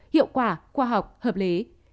hiệu quả khoa học hợp lý